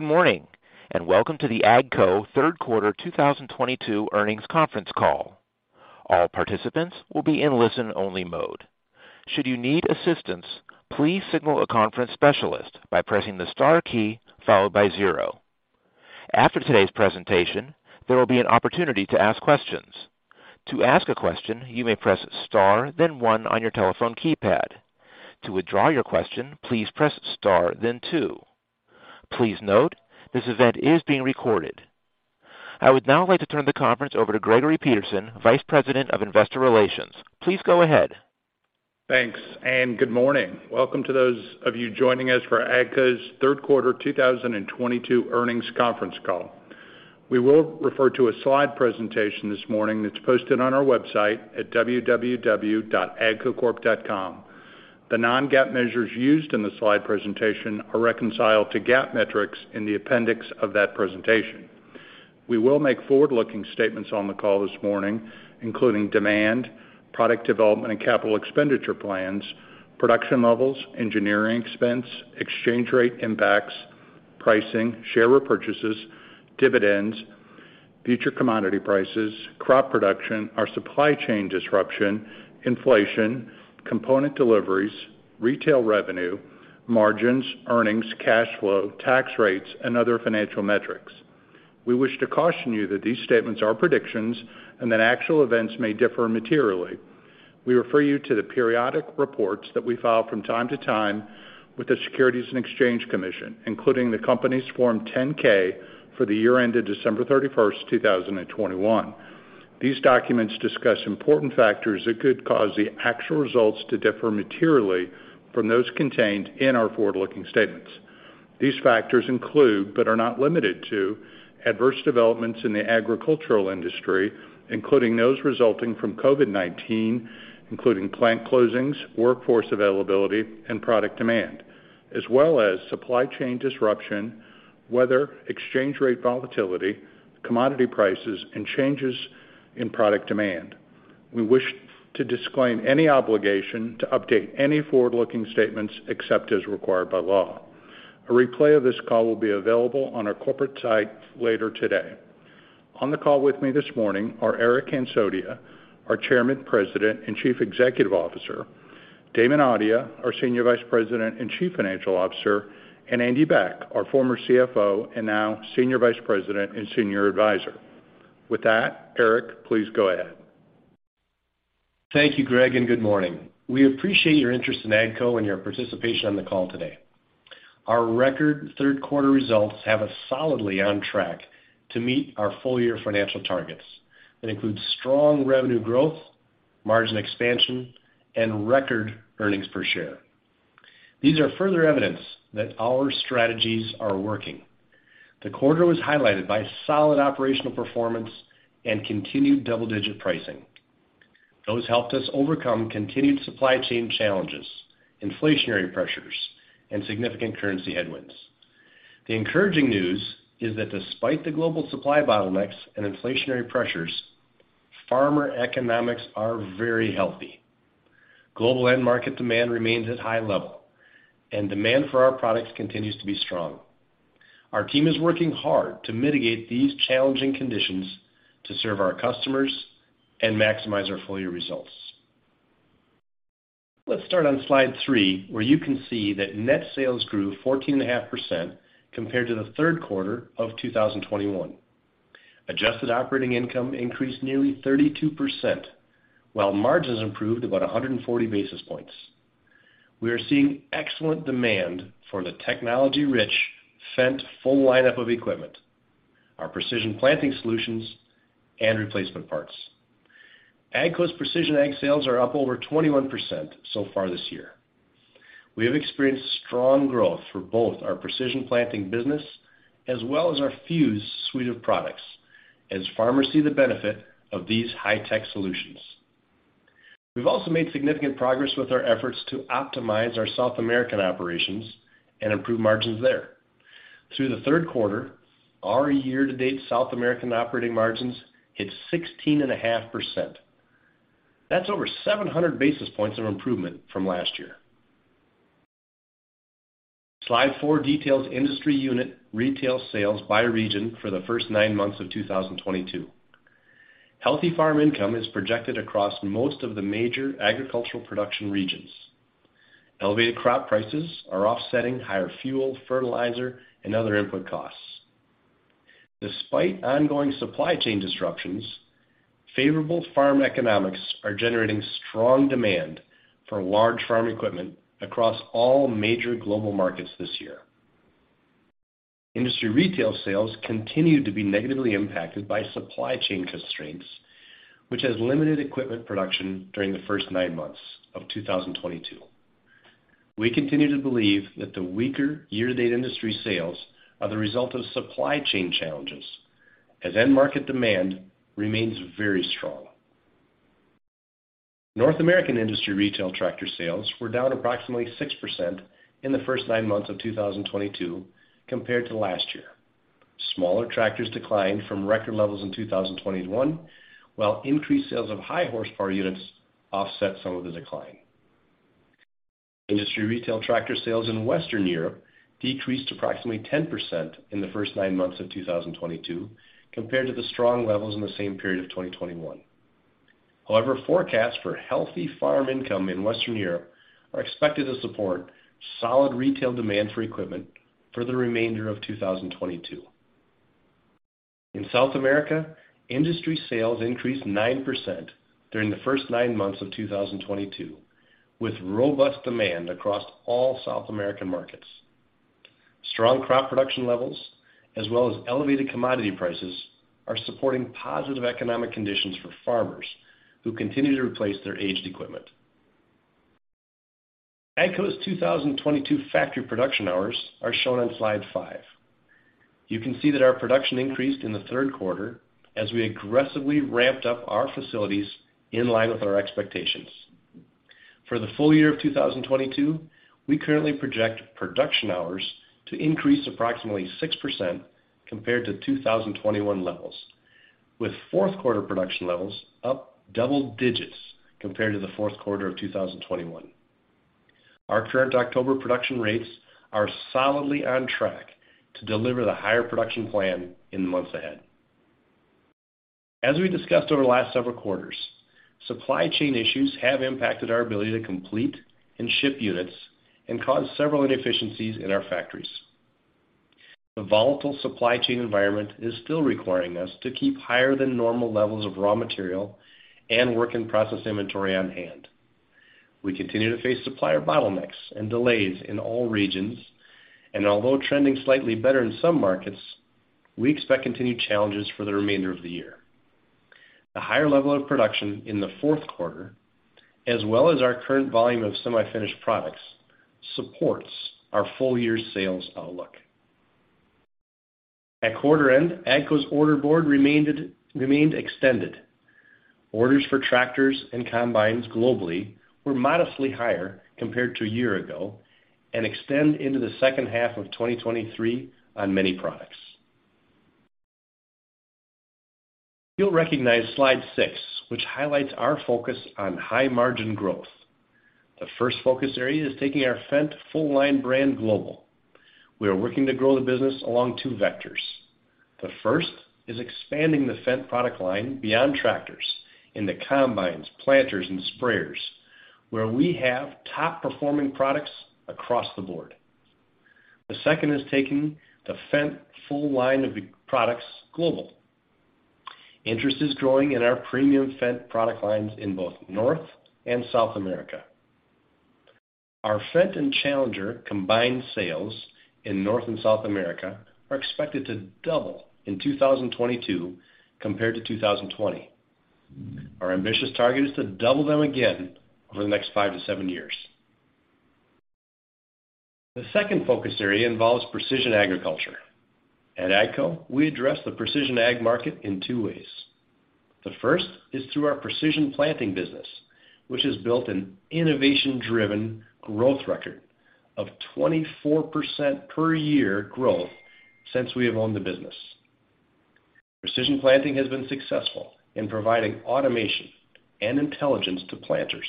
Good morning, and welcome to the AGCO third quarter 2022 earnings conference call. All participants will be in listen-only mode. Should you need assistance, please signal a conference specialist by pressing the star key followed by zero. After today's presentation, there will be an opportunity to ask questions. To ask a question, you may press star then one on your telephone keypad. To withdraw your question, please press star then two. Please note this event is being recorded. I would now like to turn the conference over to Gregory Peterson, Vice President of Investor Relations. Please go ahead. Thanks, and good morning. Welcome to those of you joining us for AGCO's third quarter 2022 earnings conference call. We will refer to a slide presentation this morning that's posted on our website at www.agcocorp.com. The non-GAAP measures used in the slide presentation are reconciled to GAAP metrics in the appendix of that presentation. We will make forward-looking statements on the call this morning, including demand, product development and capital expenditure plans, production levels, engineering expense, exchange rate impacts, pricing, share repurchases, dividends, future commodity prices, crop production, our supply chain disruption, inflation, component deliveries, retail revenue, margins, earnings, cash flow, tax rates, and other financial metrics. We wish to caution you that these statements are predictions and that actual events may differ materially. We refer you to the periodic reports that we file from time to time with the Securities and Exchange Commission, including the company's Form 10-K for the year ended December 31, 2021. These documents discuss important factors that could cause the actual results to differ materially from those contained in our forward-looking statements. These factors include, but are not limited to, adverse developments in the agricultural industry, including those resulting from COVID-19, including plant closings, workforce availability, and product demand, as well as supply chain disruption, weather, exchange rate volatility, commodity prices, and changes in product demand. We wish to disclaim any obligation to update any forward-looking statements except as required by law. A replay of this call will be available on our corporate site later today. On the call with me this morning are Eric Hansotia, our Chairman, President, and Chief Executive Officer, Damon Audia, our Senior Vice President and Chief Financial Officer, and Andy Beck, our former CFO and now Senior Vice President and Senior Advisor. With that, Eric, please go ahead. Thank you, Greg, and good morning. We appreciate your interest in AGCO and your participation on the call today. Our record third-quarter results have us solidly on track to meet our full-year financial targets. That includes strong revenue growth, margin expansion, and record earnings per share. These are further evidence that our strategies are working. The quarter was highlighted by solid operational performance and continued double-digit pricing. Those helped us overcome continued supply chain challenges, inflationary pressures, and significant currency headwinds. The encouraging news is that despite the global supply bottlenecks and inflationary pressures, farmer economics are very healthy. Global end market demand remains at high level, and demand for our products continues to be strong. Our team is working hard to mitigate these challenging conditions to serve our customers and maximize our full-year results. Let's start on slide three, where you can see that net sales grew 14.5% compared to the third quarter of 2021. Adjusted operating income increased nearly 32%, while margins improved about 140 basis points. We are seeing excellent demand for the technology-rich Fendt full lineup of equipment, our Precision Planting solutions, and replacement parts. AGCO's precision ag sales are up over 21% so far this year. We have experienced strong growth for both our Precision Planting business as well as our Fuse suite of products as farmers see the benefit of these high-tech solutions. We've also made significant progress with our efforts to optimize our South American operations and improve margins there. Through the third quarter, our year-to-date South American operating margins hit 16.5%. That's over 700 basis points of improvement from last year. Slide four details industry unit retail sales by region for the first 9 months of 2022. Healthy farm income is projected across most of the major agricultural production regions. Elevated crop prices are offsetting higher fuel, fertilizer, and other input costs. Despite ongoing supply chain disruptions, favorable farm economics are generating strong demand for large farm equipment across all major global markets this year. Industry retail sales continue to be negatively impacted by supply chain constraints, which have limited equipment production during the first 9 months of 2022. We continue to believe that the weaker year-to-date industry sales are the result of supply chain challenges, as end market demand remains very strong. North American industry retail tractor sales were down approximately 6% in the first 9 months of 2022 compared to last year. Smaller tractors declined from record levels in 2021, while increased sales of high-horsepower units offset some of the decline. Industry retail tractor sales in Western Europe decreased approximately 10% in the first nine months of 2022 compared to the strong levels in the same period of 2021. However, forecasts for healthy farm income in Western Europe are expected to support solid retail demand for equipment for the remainder of 2022. In South America, industry sales increased 9% during the first nine months of 2022, with robust demand across all South American markets. Strong crop production levels, as well as elevated commodity prices, are supporting positive economic conditions for farmers who continue to replace their aged equipment. AGCO's 2022 factory production hours are shown on slide five. You can see that our production increased in the third quarter as we aggressively ramped up our facilities in line with our expectations. For the full-year of 2022, we currently project production hours to increase approximately 6% compared to 2021 levels, with fourth quarter production levels up double digits compared to the fourth quarter of 2021. Our current October production rates are solidly on track to deliver the higher production plan in the months ahead. As we discussed over the last several quarters, supply chain issues have impacted our ability to complete and ship units and caused several inefficiencies in our factories. The volatile supply chain environment is still requiring us to keep higher-than-normal levels of raw material and work-in-process inventory on hand. We continue to face supplier bottlenecks and delays in all regions. Although trending slightly better in some markets, we expect continued challenges for the remainder of the year. The higher level of production in the fourth quarter, as well as our current volume of semi-finished products, supports our full-year sales outlook. At quarter's end, AGCO's order board remained extended. Orders for tractors and combines globally were modestly higher compared to a year ago and extend into the second half of 2023 on many products. You'll recognize slide six, which highlights our focus on high-margin growth. The first focus area is taking our Fendt full-line brand global. We are working to grow the business along two vectors. The first is expanding the Fendt product line beyond tractors into combines, planters, and sprayers, where we have top-performing products across the board. The second is taking the Fendt full line of products global. Interest is growing in our premium Fendt product lines in both North and South America. Our Fendt and Challenger combined sales in North and South America are expected to double in 2022 compared to 2020. Our ambitious target is to double them again over the next five to seven years. The second focus area involves precision agriculture. At AGCO, we address the precision ag market in two ways. The first is through our Precision Planting business, which has built an innovation-driven growth record of 24% per year growth since we acquired the business. Precision Planting has been successful in providing automation and intelligence to planters.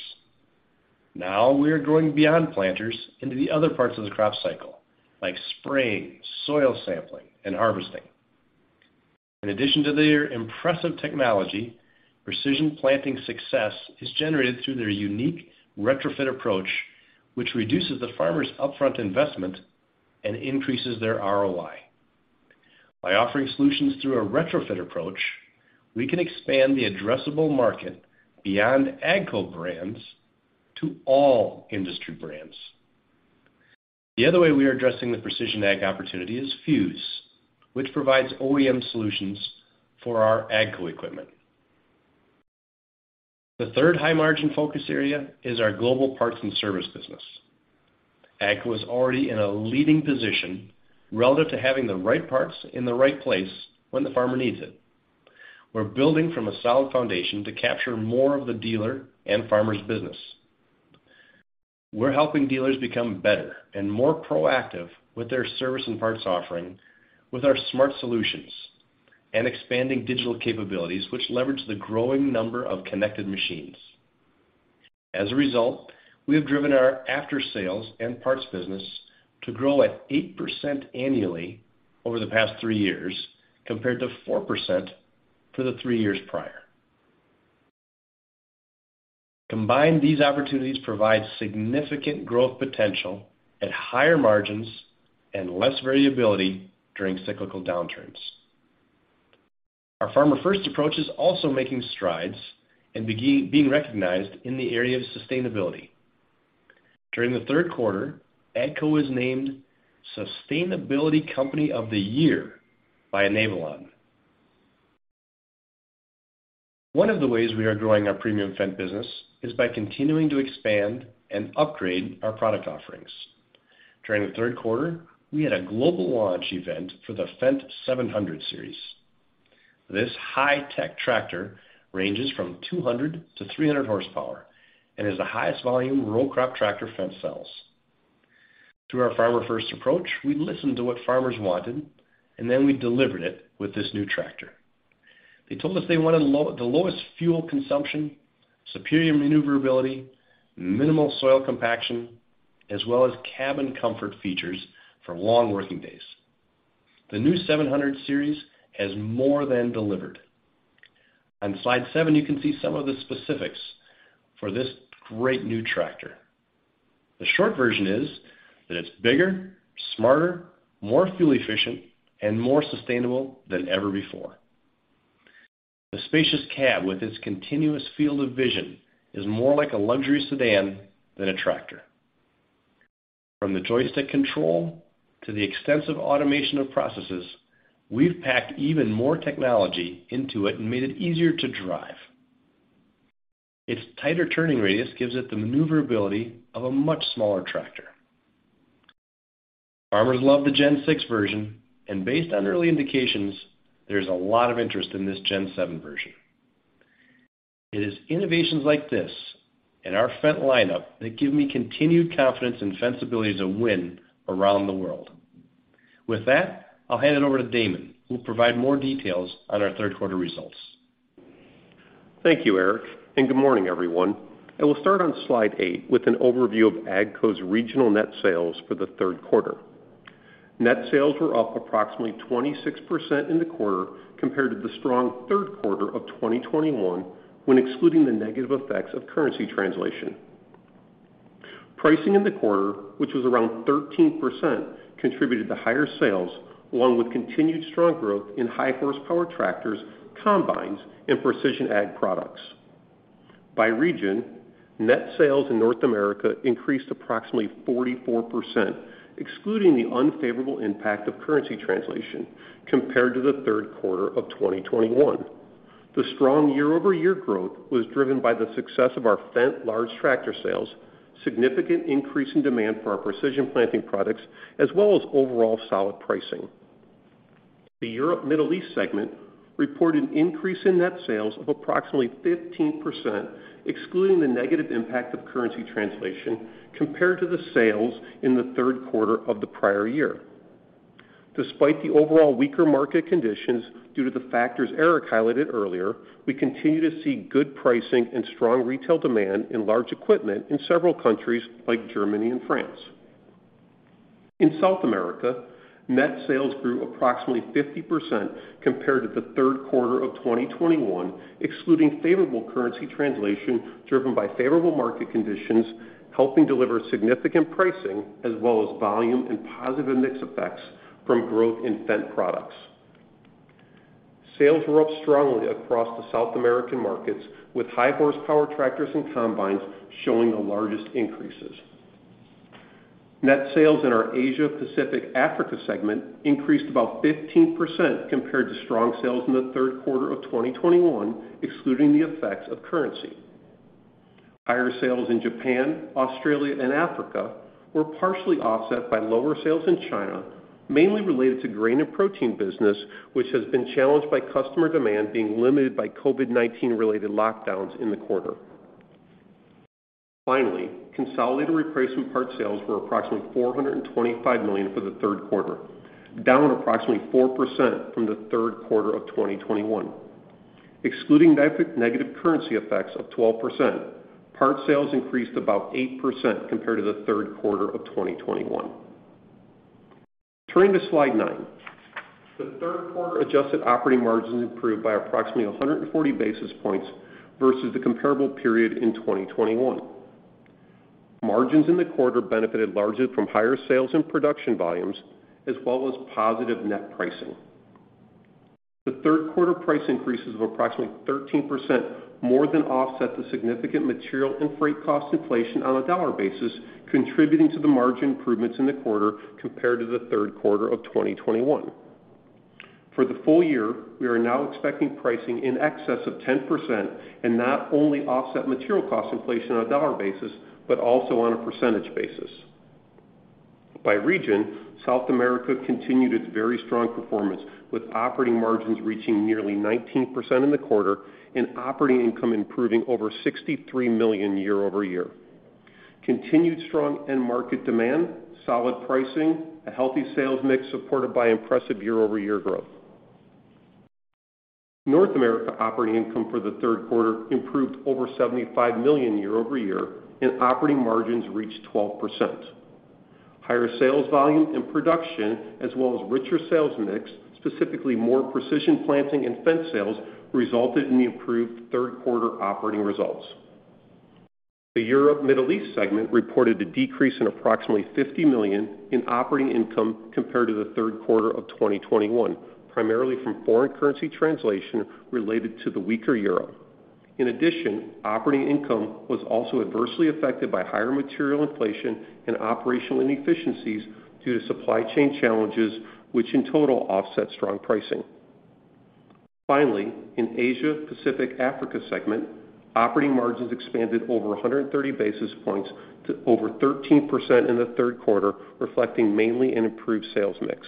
Now we are growing beyond planters into the other parts of the crop cycle, like spraying, soil sampling, and harvesting. In addition to their impressive technology, Precision Planting's success is generated through their unique retrofit approach, which reduces the farmer's upfront investment and increases their ROI. By offering solutions through a retrofit approach, we can expand the addressable market beyond AGCO brands to all industry brands. The other way we are addressing the precision ag opportunity is Fuse, which provides OEM solutions for our AGCO equipment. The third high-margin focus area is our global parts and service business. AGCO is already in a leading position relative to having the right parts in the right place when the farmer needs them. We're building from a solid foundation to capture more of the dealer and farmer's business. We're helping dealers become better and more proactive with their service and parts offering with our smart solutions and expanding digital capabilities, which leverage the growing number of connected machines. As a result, we have driven our after-sales and parts business to grow at 8% annually over the past three years, compared to 4% for the three years prior. Combined, these opportunities provide significant growth potential at higher margins and less variability during cyclical downturns. Our Farmer First approach is also making strides and being recognized in the area of sustainability. During the third quarter, AGCO was named Sustainability Company of the Year by Enablon. One of the ways we are growing our premium Fendt business is by continuing to expand and upgrade our product offerings. During the third quarter, we had a global launch event for the Fendt 700 series. This high-tech tractor ranges from 200 to 300 horsepower and is the highest-volume row crop tractor Fendt sells. Through our farmer-first approach, we listened to what farmers wanted, and then we delivered it with this new tractor. They told us they wanted the lowest fuel consumption, superior maneuverability, minimal soil compaction, as well as cabin comfort features for long working days. The new 700 series has more than delivered. On slide seven, you can see some of the specifics for this great new tractor. The short version is that it's bigger, smarter, more fuel-efficient, and more sustainable than ever before. The spacious cab with its continuous field of vision is more like a luxury sedan than a tractor. From the joystick control to the extensive automation of processes, we've packed even more technology into it and made it easier to drive. Its tighter turning radius gives it the maneuverability of a much smaller tractor. Farmers love the Gen 6 version, and based on early indications, there's a lot of interest in this Gen 7 version. It is innovations like this in our Fendt lineup that give me continued confidence in Fendt's ability to win around the world. With that, I'll hand it over to Damon, who will provide more details on our third quarter results. Thank you, Eric, and good morning, everyone. I will start on slide eight with an overview of AGCO's regional net sales for the third quarter. Net sales were up approximately 26% in the quarter compared to the strong third quarter of 2021, when excluding the negative effects of currency translation. Pricing in the quarter, which was around 13%, contributed to higher sales along with continued strong growth in high-horsepower tractors, combines, and precision ag products. By region, net sales in North America increased approximately 44%, excluding the unfavorable impact of currency translation compared to the third quarter of 2021. The strong year-over-year growth was driven by the success of our Fendt large tractor sales, a significant increase in demand for our Precision Planting products, as well as overall solid pricing. The Europe, Middle East segment reported an increase in net sales of approximately 15%, excluding the negative impact of currency translation, compared to the sales in the third quarter of the prior year. Despite the overall weaker market conditions due to the factors Eric highlighted earlier, we continue to see good pricing and strong retail demand for large equipment in several countries like Germany and France. In South America, net sales grew approximately 50% compared to the third quarter of 2021, excluding favorable currency translation driven by favorable market conditions, helping deliver significant pricing as well as volume and positive mix effects from growth in Fendt products. Sales were up strongly across the South American markets, with high-horsepower tractors and combines showing the largest increases. Net sales in our Asia Pacific Africa segment increased about 15% compared to strong sales in the third quarter of 2021, excluding the effects of currency. Higher sales in Japan, Australia, and Africa were partially offset by lower sales in China, mainly related to the grain and protein business, which has been challenged by customer demand being limited by COVID-19-related lockdowns in the quarter. Finally, consolidated replacement part sales were approximately $425 million for the third quarter, down approximately 4% from the third quarter of 2021. Excluding the negative currency effects of 12%, part sales increased about 8% compared to the third quarter of 2021. Turning to slide nine. The third quarter adjusted operating margins improved by approximately 140 basis points versus the comparable period in 2021. Margins in the quarter benefited largely from higher sales and production volumes as well as positive net pricing. The third quarter price increases of approximately 13% more than offset the significant material and freight cost inflation on a dollar basis, contributing to the margin improvements in the quarter compared to the third quarter of 2021. For the full year, we are now expecting pricing in excess of 10% and not only to offset material cost inflation on a dollar basis, but also on a percentage basis. By region, South America continued its very strong performance, with operating margins reaching nearly 19% in the quarter and operating income improving over $63 million year-over-year. Continued strong end market demand, solid pricing, a healthy sales mix supported by impressive year-over-year growth. North America operating income for the third quarter improved over $75 million year-over-year, and operating margins reached 12%. Higher sales volume and production, as well as richer sales mix, specifically more Precision Planting and Fendt sales, resulted in the improved third quarter operating results. The Europe/Middle East segment reported a decrease of approximately $50 million in operating income compared to the third quarter of 2021, primarily from foreign currency translation related to the weaker euro. In addition, operating income was also adversely affected by higher material inflation and operational inefficiencies due to supply chain challenges, which, in total, offset strong pricing. Finally, in the Asia Pacific Africa segment, operating margins expanded over 130 basis points to over 13% in the third quarter, reflecting mainly an improved sales mix.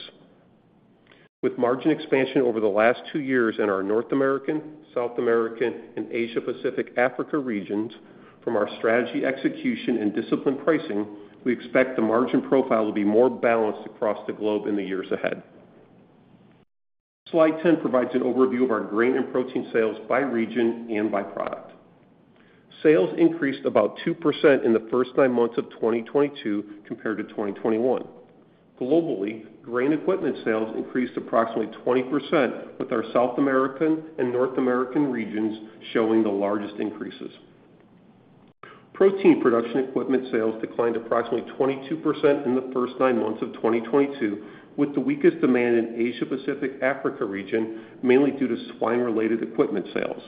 With margin expansion over the last two years in our North American, South American, and Asia Pacific Africa regions from our strategy execution and disciplined pricing, we expect the margin profile to be more balanced across the globe in the years ahead. Slide 10 provides an overview of our grain and protein sales by region and by product. Sales increased about 2% in the first 9 months of 2022 compared to 2021. Globally, grain equipment sales increased approximately 20%, with our South American and North American regions showing the largest increases. Protein production equipment sales declined approximately 22% in the first nine months of 2022, with the weakest demand in the Asia Pacific Africa region, mainly due to swine-related equipment sales.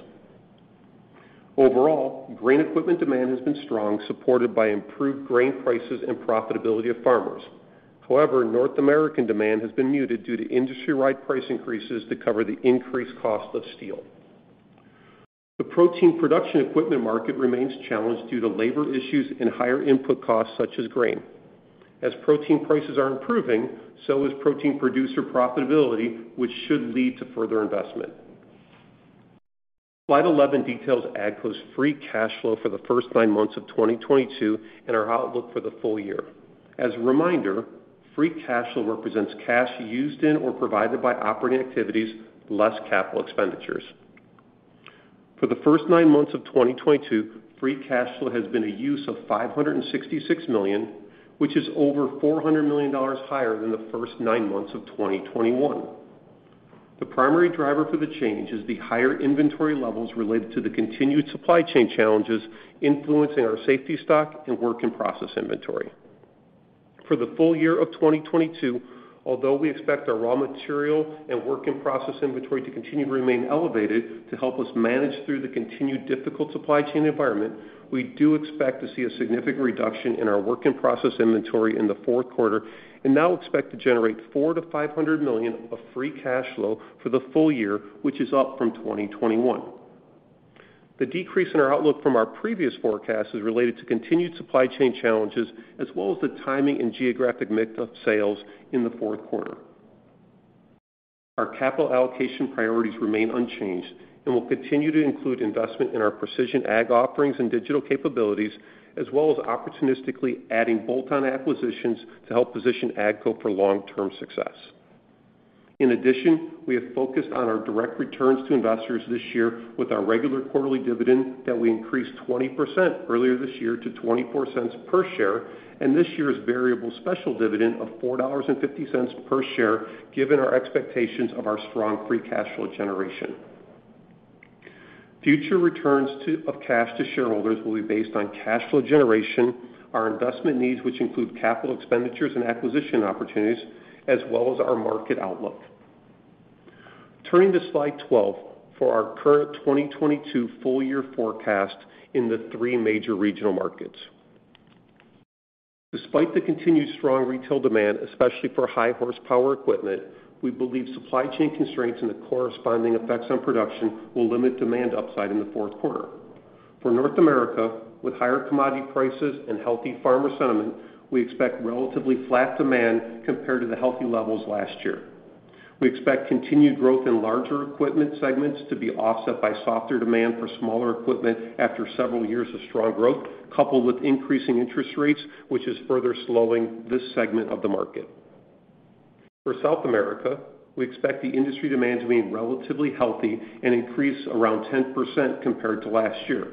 Overall, grain equipment demand has been strong, supported by improved grain prices and the profitability of farmers. However, North American demand has been muted due to industry-wide price increases to cover the increased cost of steel. The protein production equipment market remains challenged due to labor issues and higher input costs, such as grain. As protein prices are improving, so is protein producer profitability, which should lead to further investment. Slide 11 details AGCO's free cash flow for the first nine months of 2022 and our outlook for the full year. As a reminder, free cash flow represents cash used in or provided by operating activities less capital expenditures. For the first nine months of 2022, free cash flow has been a use of $566 million, which is over $400 million higher than the first nine months of 2021. The primary driver for the change is the higher inventory levels related to the continued supply chain challenges influencing our safety stock and work-in-process inventory. For the full year of 2022, although we expect our raw material and work in process inventory to continue to remain elevated to help us manage through the continued difficult supply chain environment, we do expect to see a significant reduction in our work in process inventory in the fourth quarter and now expect to generate $400 million-$500 million of free cash flow for the full year, which is up from 2021. The decrease in our outlook from our previous forecast is related to continued supply chain challenges as well as the timing and geographic mix of sales in the fourth quarter. Our capital allocation priorities remain unchanged and will continue to include investment in our precision ag offerings and digital capabilities, as well as opportunistically adding bolt-on acquisitions to help position AGCO for long-term success. In addition, we have focused on our direct returns to investors this year with our regular quarterly dividend that we increased 20% earlier this year to $0.24 per share, and this year's variable special dividend of $4.50 per share, given the expectations of our strong free cash flow generation. Future returns of cash to shareholders will be based on cash flow generation, our investment needs, which include capital expenditures and acquisition opportunities, as well as our market outlook. Turning to slide 12 for our current 2022 full-year forecast in the three major regional markets. Despite the continued strong retail demand, especially for high-horsepower equipment, we believe supply chain constraints and the corresponding effects on production will limit demand upside in the fourth quarter. For North America, with higher commodity prices and healthy farmer sentiment, we expect relatively flat demand compared to the healthy levels last year. We expect continued growth in larger equipment segments to be offset by softer demand for smaller equipment after several years of strong growth, coupled with increasing interest rates, which is further slowing this segment of the market. For South America, we expect the industry demand to remain relatively healthy and increase around 10% compared to last year.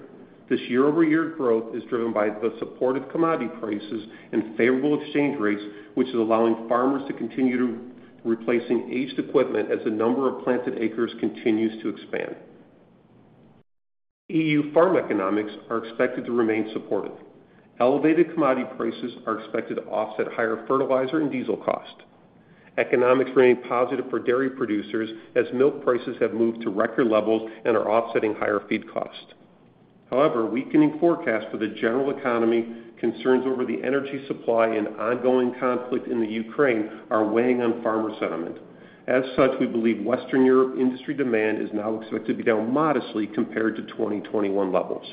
This year-over-year growth is driven by the supportive commodity prices and favorable exchange rates, which are allowing farmers to continue to replace aged equipment as the number of planted acres continues to expand. EU farm economics are expected to remain supportive. Elevated commodity prices are expected to offset higher fertilizer and diesel costs. Economics remain positive for dairy producers as milk prices have moved to record levels and are offsetting higher feed costs. However, weakening forecasts for the general economy, concerns over the energy supply, and ongoing conflict in Ukraine are weighing on farmer sentiment. As such, we believe Western Europe industry demand is now expected to be down modestly compared to 2021 levels.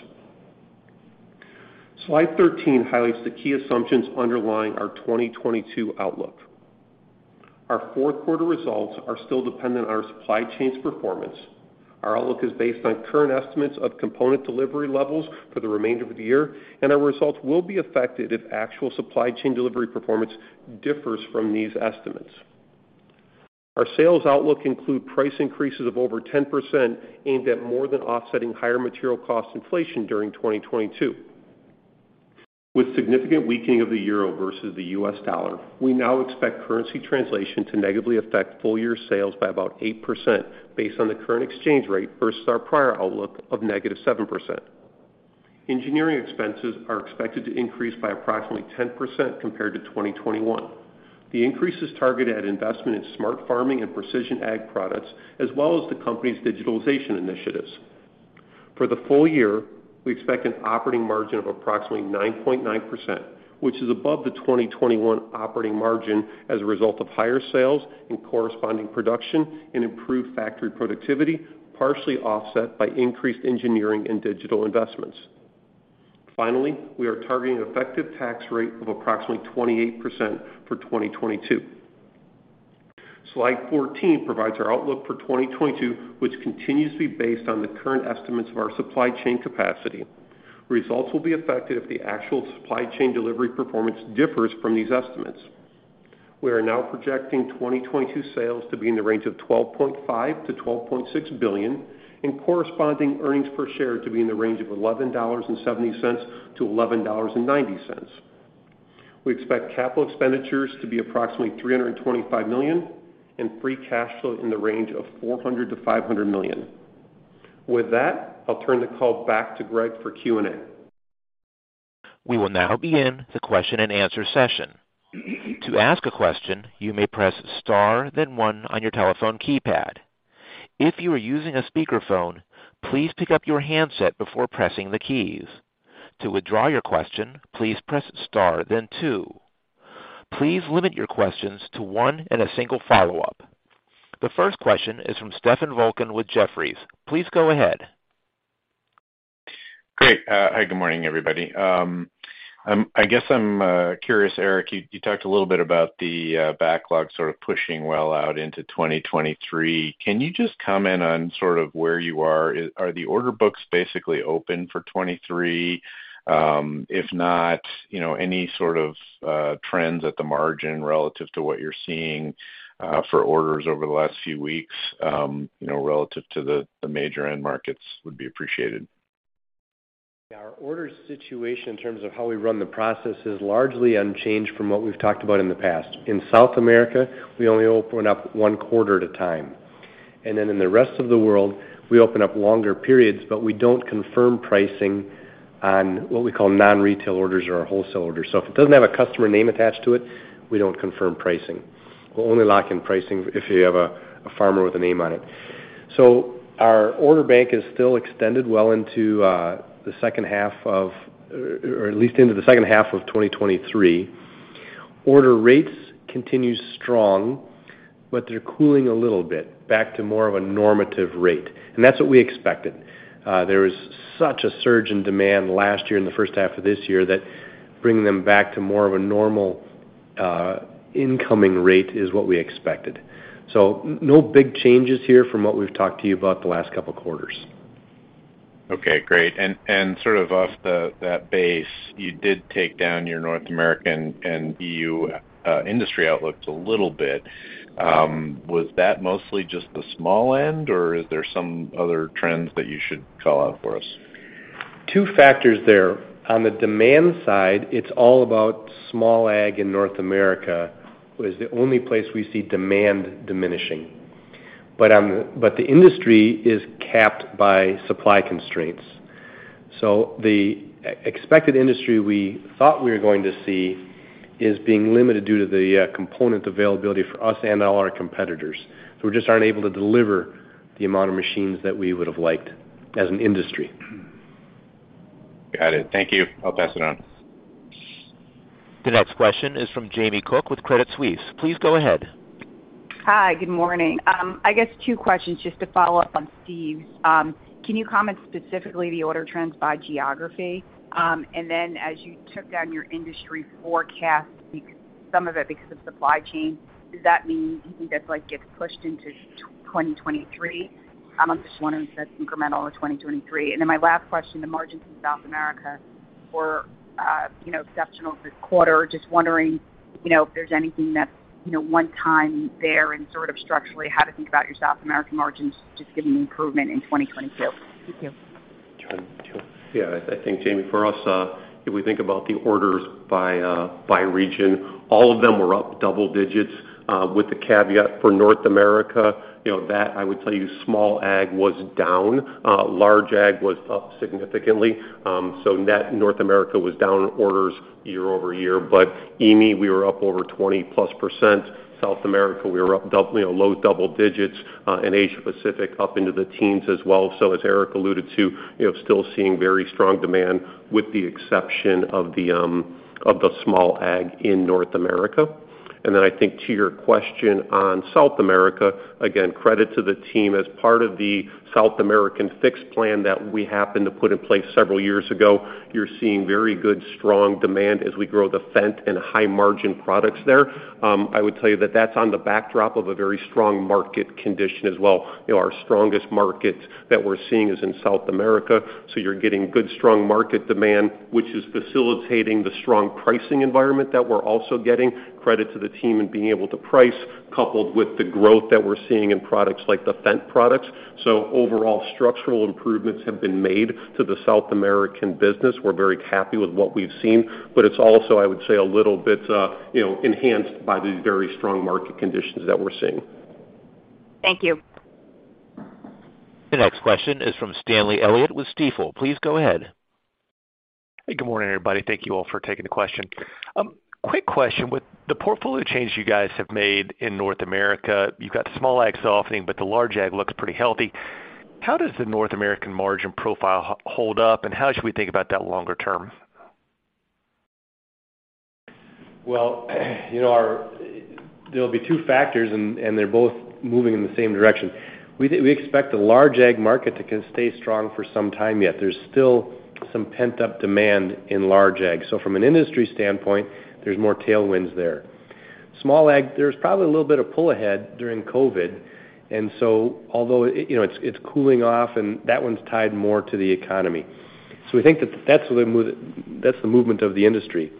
Slide 13 highlights the key assumptions underlying our 2022 outlook. Our fourth-quarter results are still dependent on our supply chain's performance. Our outlook is based on current estimates of component delivery levels for the remainder of the year, and our results will be affected if actual supply chain delivery performance differs from these estimates. Our sales outlook includes price increases of over 10% aimed at more than offsetting higher material cost inflation during 2022. With significant weakening of the euro versus the US dollar, we now expect currency translation to negatively affect full-year sales by about 8% based on the current exchange rate, versus our prior outlook of a negative 7%. Engineering expenses are expected to increase by approximately 10% compared to 2021. The increase is targeted at investment in smart farming and precision ag products, as well as the company's digitalization initiatives. For the full-year, we expect an operating margin of approximately 9.9%, which is above the 2021 operating margin as a result of higher sales and corresponding production and improved factory productivity, partially offset by increased engineering and digital investments. Finally, we are targeting an effective tax rate of approximately 28% for 2022. Slide 14 provides our outlook for 2022, which continues to be based on the current estimates of our supply chain capacity. Results will be affected if the actual supply chain delivery performance differs from these estimates. We are now projecting 2022 sales to be in the range of $12.5 billion-$12.6 billion, and corresponding earnings per share to be in the range of $11.70-$11.90. We expect capital expenditures to be approximately $325 million and free cash flow in the range of $400 million-$500 million. With that, I'll turn the call back to Greg for Q&A. We will now begin the question-and-answer session. To ask a question, you may press star then one on your telephone keypad. If you are using a speakerphone, please pick up your handset before pressing the keys. To withdraw your question, please press star then two. Please limit your questions to one and a single follow-up. The first question is from Stephen Volkmann with Jefferies. Please go ahead. Great. Hi, good morning, everybody. I guess I'm curious, Eric. You talked a little bit about the backlog, sort of pushing well out into 2023. Can you just comment on sort of where you are? Are the order books basically open for 2023? If not, you know, any sort of trends at the margin relative to what you're seeing for orders over the last few weeks, you know, relative to the major end markets would be appreciated. Yeah. Our order situation in terms of how we run the process is largely unchanged from what we've talked about in the past. In South America, we only open up one quarter at a time. Then in the rest of the world, we open up longer periods, but we don't confirm pricing on what we call non-retail orders or our wholesale orders. If it doesn't have a customer name attached to it, we don't confirm pricing. We'll only lock in pricing if you have a farmer with a name on it. Our order bank is still extended well into at least the second half of 2023. Order rates continue strong, but they're cooling a little bit back to more of a normative rate, and that's what we expected. There was such a surge in demand last year in the first half of this year that bringing them back to more of a normal, incoming rate is what we expected. No big changes here from what we've talked to you about the last couple quarters. Okay, great. Sort of off that base, you did take down your North American and EU industry outlooks a little bit. Was that mostly just the small end, or is there some other trends that you should call out for us? Two factors there. On the demand side, it's all about small ag in North America was the only place we see demand diminishing. The industry is capped by supply constraints. The expected industry we thought we were going to see is being limited due to the component availability for us and all our competitors. We just aren't able to deliver the amount of machines that we would have liked as an industry. Got it. Thank you. I'll pass it on. The next question is from Jamie Cook with Credit Suisse. Please go ahead. Hi, good morning. I guess two questions just to follow up on Steve's. Can you comment specifically on the order trends by geography? And then as you took down your industry forecast, some of it because of supply chain, does that mean you think that, like, gets pushed into 2023? I'm just wondering if that's incremental to 2023. And then my last question, the margins in South America were, you know, exceptional this quarter. Just wondering, you know, if there's anything that's, you know, one-time there and sort of structurally, how to think about your South American margins just given the improvement in 2022. Thank you. Yeah. I think, Jamie, for us, if we think about the orders by region, all of them were up double digits, with the caveat for North America. You know, that I would tell you small ag was down, large ag was up significantly. Net North America was down orders year-over-year. EME, we were up over 20%+. South America, we were up, you know, low double digits, and Asia Pacific up into the teens as well. As Eric alluded to, you know, still seeing very strong demand with the exception of the small ag in North America. I think to your question on South America, again, credit to the team. As part of the South American fix plan that we happened to put in place several years ago, you're seeing very good, strong demand as we grow the Fendt and high-margin products there. I would tell you that that's on the backdrop of a very strong market condition as well. You know, our strongest market that we're seeing is in South America, so you're getting good, strong market demand, which is facilitating the strong pricing environment that we're also getting. Credit to the team for being able to price, coupled with the growth that we're seeing in products like the Fendt products. Overall structural improvements have been made to the South American business. We're very happy with what we've seen, but it's also, I would say, a little bit, you know, enhanced by the very strong market conditions that we're seeing. Thank you. The next question is from Stanley Elliott with Stifel. Please go ahead. Hey, good morning, everybody. Thank you all for taking the question. Quick question. With the portfolio change you guys have made in North America, you've got the small ag softening, but the large ag looks pretty healthy. How does the North American margin profile hold up, and how should we think about that longer term? Well, you know, there'll be two factors and they're both moving in the same direction. We expect the large ag market to kinda stay strong for some time yet. There's still some pent-up demand in large ag. From an industry standpoint, there's more tailwinds there. Small ag, there's probably a little bit of pull ahead during COVID. Although; you know, it's cooling off, and that one's tied more to the economy. We think that that's the movement of the industry.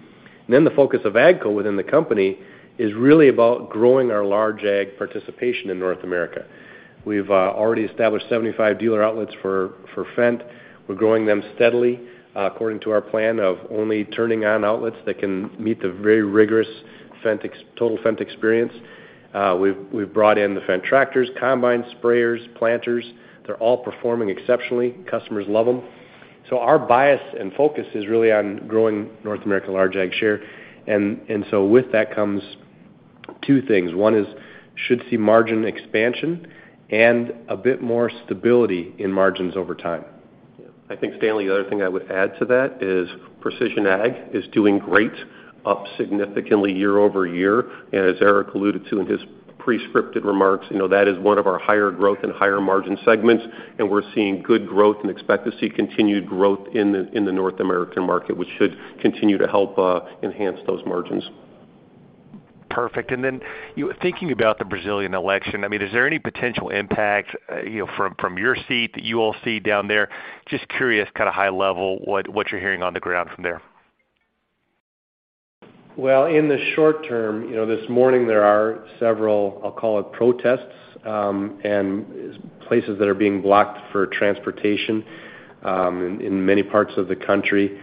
The focus of AGCO within the company is really about growing our large ag participation in North America. We've already established 75 dealer outlets for Fendt. We're growing them steadily according to our plan of only turning on outlets that can meet the very rigorous Fendt excellent total Fendt experience. We've brought in the Fendt tractors, combine sprayers, planters. They're all performing exceptionally. Customers love them. Our bias and focus is really on growing North American large ag share. With that comes two things. One is should see margin expansion and a bit more stability in margins over time. I think, Stanley, the other thing I would add to that is precision ag is doing great, up significantly year-over-year. As Eric alluded to in his pre-scripted remarks, you know, that is one of our higher growth and higher margin segments, and we're seeing good growth and expect to see continued growth in the North American market, which should continue to help enhance those margins. Perfect. You were thinking about the Brazilian election. I mean, is there any potential impact, you know, from your seat that you all see down there? Just curious, kind of high level, what you're hearing on the ground from there. Well, in the short term, you know, this morning there are several, I'll call it protests, and places that are being blocked for transportation in many parts of the country.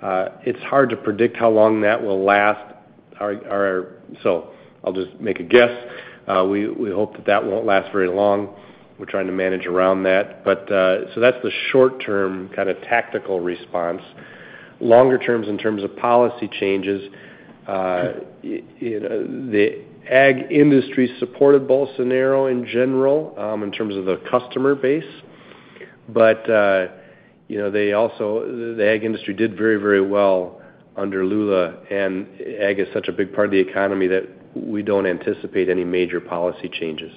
It's hard to predict how long that will last. So I'll just make a guess. We hope that won't last very long. We're trying to manage around that. So that's the short term kind of tactical response. Longer terms in terms of policy changes, you know, the ag industry supported Bolsonaro in general in terms of the customer base. You know, they also, the ag industry did very, very well under Lula, and ag is such a big part of the economy that we don't anticipate any major policy changes.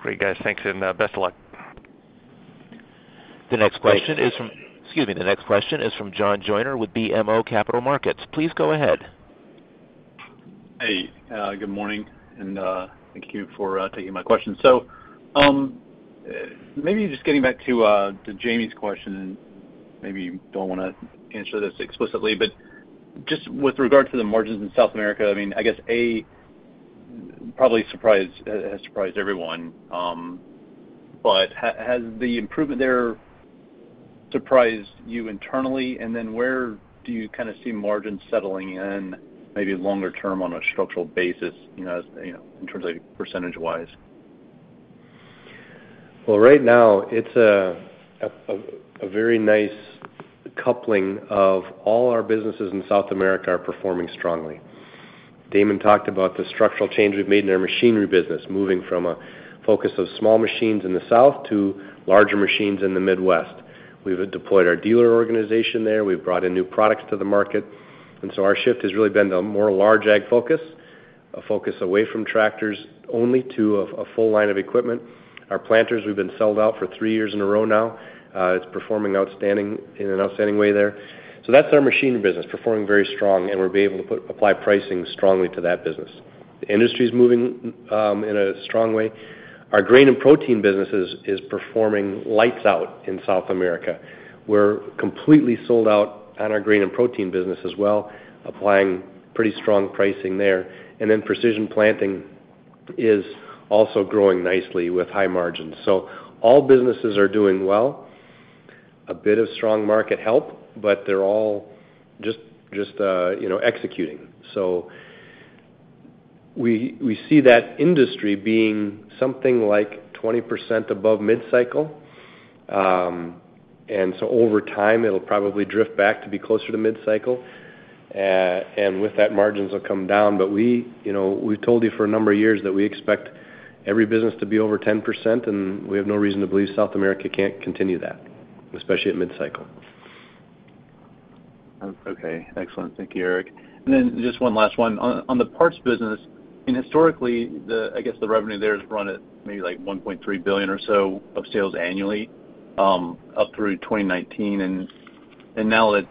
Great, guys. Thanks and best of luck. Thanks. The next question is from John Joyner with BMO Capital Markets. Please go ahead. Hey, good morning, and thank you for taking my question. Maybe just getting back to Jamie's question, and maybe you don't wanna answer this explicitly, but just with regard to the margins in South America, I mean, I guess, has surprised everyone. Has the improvement there surprised you internally? And then where do you kind of see margins settling in, maybe longer term on a structural basis, you know, you know, in terms of percentage-wise? Well, right now it's a very nice coupling of all our businesses in South America are performing strongly. Damon talked about the structural change we've made in our machinery business, moving from a focus of small machines in the south to larger machines in the Midwest. We've deployed our dealer organization there. We've brought in new products to the market. Our shift has really been to a more large ag focus, a focus away from tractors only to a full line of equipment. Our planters, we've been sold out for three years in a row now. It's performing outstanding, in an outstanding way there. That's our machinery business performing very strong, and we'll be able to apply pricing strongly to that business. The industry's moving in a strong way. Our grain and protein businesses is performing lights out in South America. We're completely sold out on our grain and protein business as well, applying pretty strong pricing there. Then Precision Planting is also growing nicely with high margins. All businesses are doing well. A bit of strong market help, but they're all just, you know, executing. We see that industry being something like 20% above mid-cycle. Over time, it'll probably drift back to be closer to mid-cycle. With that, margins will come down. We, you know, we've told you for a number of years that we expect every business to be over 10%, and we have no reason to believe South America can't continue that, especially at mid-cycle. Okay. Excellent. Thank you, Eric. Just one last one. On the parts business, I mean, historically, I guess, the revenue there has run at maybe, like, $1.3 billion or so of sales annually, up through 2019. Now that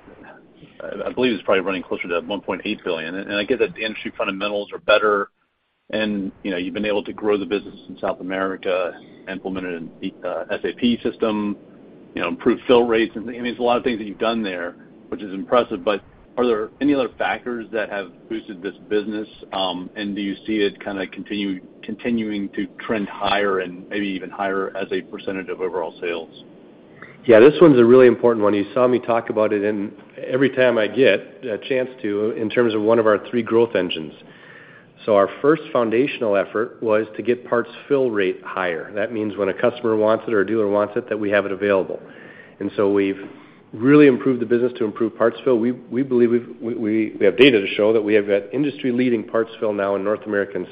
I believe it's probably running closer to $1.8 billion. I get that the industry fundamentals are better and, you know, you've been able to grow the business in South America, implemented an SAP system, you know, improved fill rates. I mean, there's a lot of things that you've done there, which is impressive, but are there any other factors that have boosted this business? Do you see it kinda continuing to trend higher and maybe even higher as a percentage of overall sales? Yeah, this one's a really important one. You saw me talk about it every time I get a chance to in terms of one of our three growth engines. Our first foundational effort was to get parts fill rate higher. That means when a customer wants it or a dealer wants it, that we have it available. We've really improved the business to improve parts fill. We believe we have data to show that we have got industry-leading parts fill now in North America and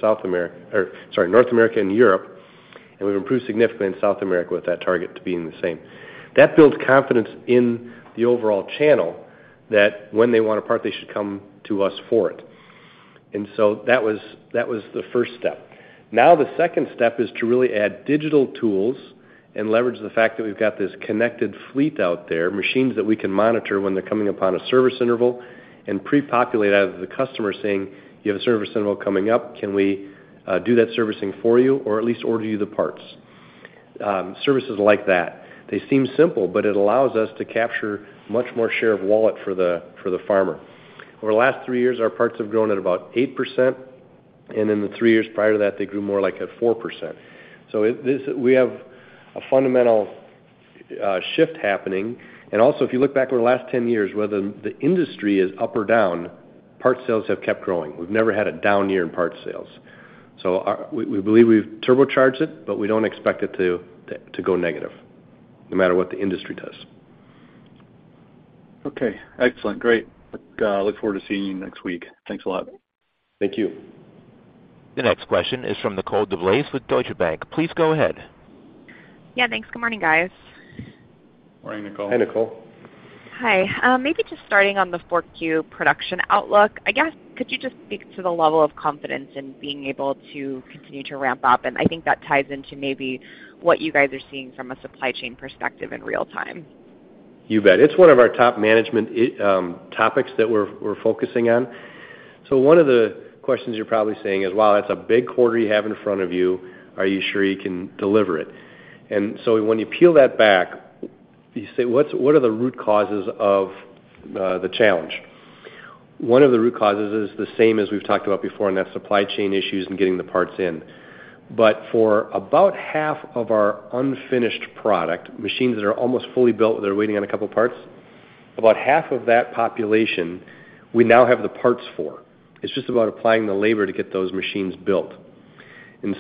Europe. We've improved significantly in South America with that target to being the same. That builds confidence in the overall channel that when they want a part, they should come to us for it. That was the first step. Now the second step is to really add digital tools and leverage the fact that we've got this connected fleet out there, machines that we can monitor when they're coming upon a service interval, and pre-populate outreach to the customer saying, "You have a service interval coming up. Can we do that servicing for you or at least order you the parts?" Services like that. They seem simple, but it allows us to capture much more share of wallet for the farmer. Over the last three years, our parts have grown at about 8%, and in the three years prior to that, they grew more like at 4%. We have a fundamental shift happening. Also, if you look back over the last 10 years, whether the industry is up or down, parts sales have kept growing. We've never had a down year in parts sales. We believe we've turbocharged it, but we don't expect it to go negative no matter what the industry does. Okay, excellent. Great. Look forward to seeing you next week. Thanks a lot. Thank you. The next question is from Nicole DeBlase with Deutsche Bank. Please go ahead. Yeah, thanks. Good morning, guys. Morning, Nicole. Hi, Nicole. Hi. Maybe just starting on the 4Q production outlook. I guess, could you just speak to the level of confidence in being able to continue to ramp up? I think that ties into maybe what you guys are seeing from a supply chain perspective in real time. You bet. It's one of our top management topics that we're focusing on. One of the questions you're probably saying is, "Wow, that's a big quarter you have in front of you. Are you sure you can deliver it?" When you peel that back, you say, what are the root causes of the challenge? One of the root causes is the same as we've talked about before, and that's supply chain issues and getting the parts in. But for about half of our unfinished product, machines that are almost fully built, they're waiting on a couple of parts, about half of that population, We now have the parts for. It's just about applying the labor to get those machines built.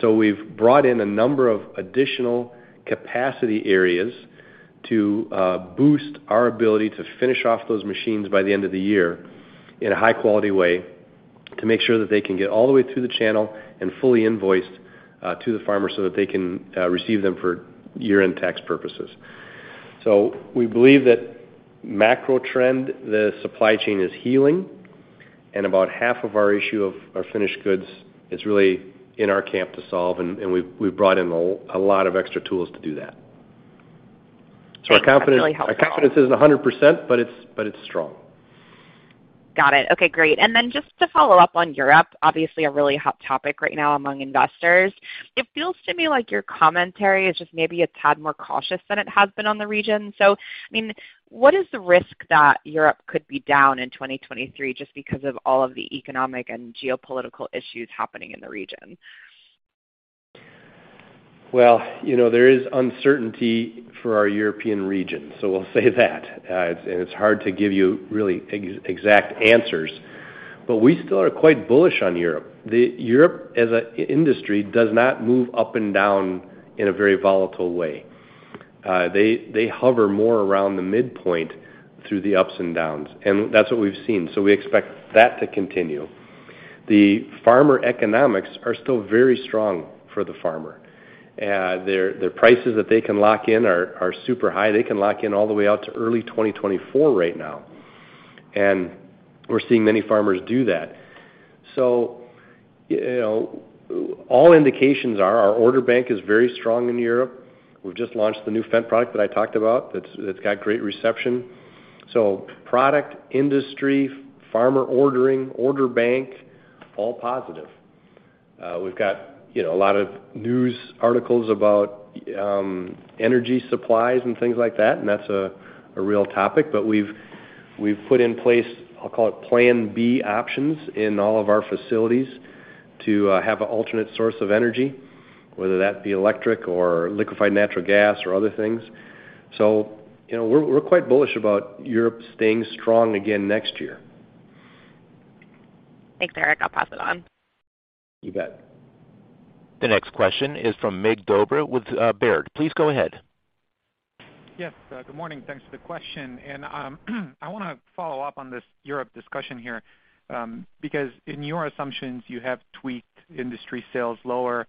We've brought in a number of additional capacity areas to boost our ability to finish off those machines by the end of the year in a high-quality way to make sure that they can get all the way through the channel and fully invoiced to the farmer so that they can receive them for year-end tax purposes. We believe that macro trend, the supply chain is healing, and about half of our issue of our finished goods is really in our camp to solve, and we've brought in a lot of extra tools to do that. Our confidence- That's really helpful. Our confidence isn't 100%, but it's strong. Got it. Okay, great. Just to follow up on Europe, obviously a really hot topic right now among investors. It feels to me like your commentary is just maybe a tad more cautious than it has been on the region. I mean, what is the risk that Europe could be down in 2023 just because of all of the economic and geopolitical issues happening in the region? Well, you know, there is uncertainty for our European region, so we'll say that. It's hard to give you really exact answers, but we still are quite bullish on Europe. The Europe as an industry does not move up and down in a very volatile way. They hover more around the midpoint through the ups and downs, and that's what we've seen. We expect that to continue. The farmer economics are still very strong for the farmer. Their prices that they can lock in are super high. They can lock in all the way out to early 2024 right now, and we're seeing many farmers do that. You know, all indications are our order bank is very strong in Europe. We've just launched the new Fendt product that I talked about that's got great reception. Product, industry, farmer ordering, order bank, all positive. We've got, you know, a lot of news articles about energy supplies and things like that, and that's a real topic. We've put in place, I'll call it Plan B options in all of our facilities to have an alternate source of energy, whether that be electric or liquefied natural gas or other things. You know, we're quite bullish about Europe staying strong again next year. Thanks, Eric. I'll pass it on. You bet. The next question is from Mircea Dobre with Baird. Please go ahead. Yes. Good morning. Thanks for the question. I wanna follow up on this Europe discussion here, because in your assumptions, you have tweaked industry sales lower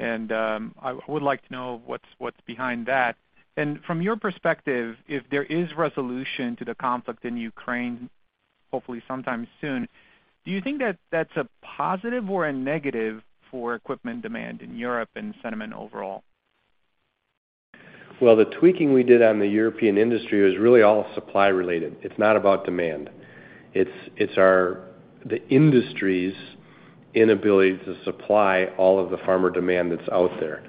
and, I would like to know what's behind that. From your perspective, if there is resolution to the conflict in Ukraine, hopefully sometime soon, do you think that that's a positive or a negative for equipment demand in Europe and sentiment overall? Well, the tweaking we did on the European industry was really all supply-related. It's not about demand. It's the industry's inability to supply all of the farmer demand that's out there.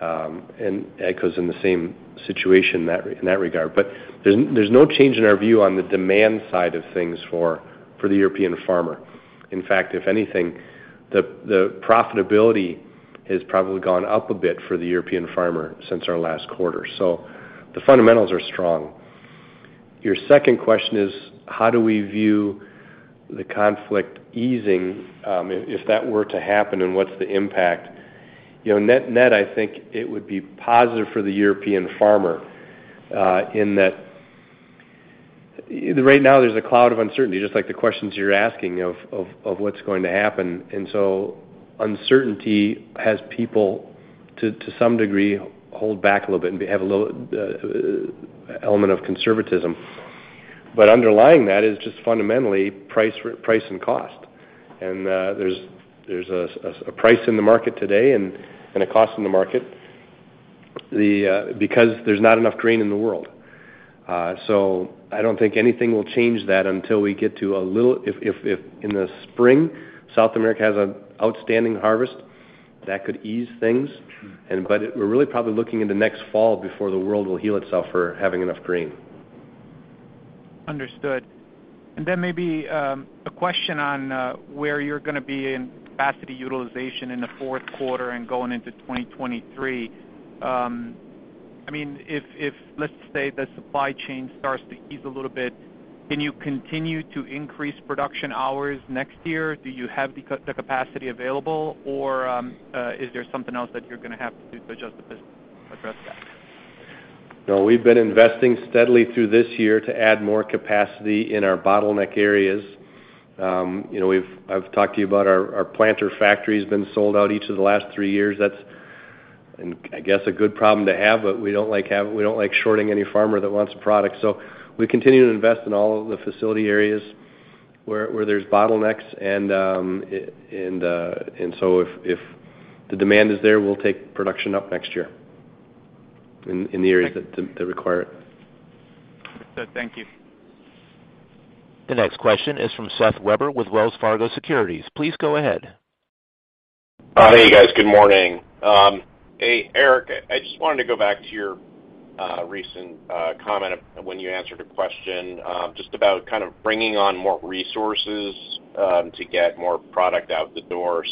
AGCO is in the same situation in that regard. There's no change in our view on the demand side of things for the European farmer. In fact, if anything, the profitability has probably gone up a bit for the European farmer since our last quarter. The fundamentals are strong. Your second question is how do we view the conflict easing, if that were to happen, and what's the impact? Net, I think it would be positive for the European farmer in that. Right now there's a cloud of uncertainty, just like the questions you're asking of what's going to happen. Uncertainty has people, to some degree, hold back a little bit and they have a little element of conservatism. Underlying that is just fundamentally price and cost. There's a price in the market today and a cost in the market. Because there's not enough grain in the world. I don't think anything will change that until we get to a little. If in the spring, South America has an outstanding harvest, that could ease things. We're really probably looking in the next fall before the world will heal itself for having enough grain. Understood. Maybe a question on where you're gonna be in capacity utilization in the fourth quarter and going into 2023. I mean, if let's say the supply chain starts to ease a little bit, can you continue to increase production hours next year? Do you have the capacity available, or is there something else that you're gonna have to do to adjust the business to address that? No, we've been investing steadily through this year to add more capacity in our bottleneck areas. You know, I've talked to you about our planter factory has been sold out each of the last three years. That's, I guess, a good problem to have, but we don't like shorting any farmer that wants a product. We continue to invest in all of the facility areas where there's bottlenecks and so if the demand is there, we'll take production up next year in the areas that require it. Thank you. The next question is from Seth Weber with Wells Fargo Securities. Please go ahead. Hi. Hey, guys. Good morning. Hey, Eric, I just wanted to go back to your recent comment when you answered a question just about kind of bringing on more resources to get more product out the door.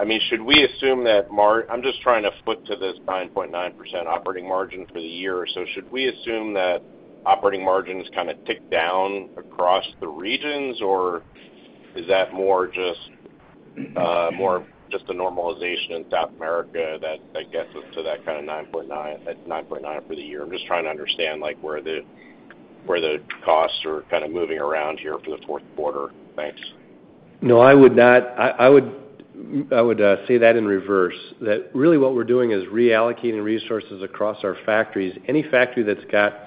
I mean, should we assume that I'm just trying to flip to this 9.9% operating margin for the year. Should we assume that operating margins kinda tick down across the regions, or is that more just a normalization in South America that gets us to that kinda 9.9, that 9.9 for the year? I'm just trying to understand, like, where the costs are kinda moving around here for the fourth quarter. Thanks. No, I would not. I would say that in reverse. That's really what we're doing is reallocating resources across our factories. Any factory that's got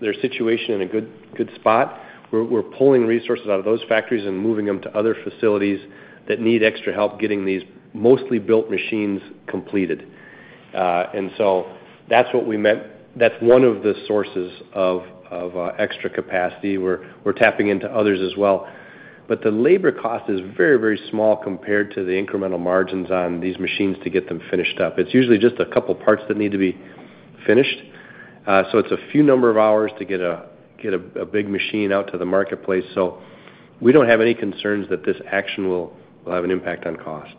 their situation in a good spot, we're pulling resources out of those factories and moving them to other facilities that need extra help getting these mostly built machines completed. That's what we meant. That's one of the sources of extra capacity. We're tapping into others as well. The labor cost is very small compared to the incremental margins on these machines to get them finished up. It's usually just a couple parts that need to be finished. It's a small number of hours to get a big machine out to the marketplace. We don't have any concerns that this action will have an impact on cost.